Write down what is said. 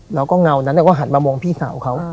แล้วก็เงานั้นก็หันมามองพี่สาวเขา